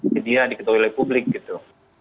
jadi ya diketahui oleh publik gitu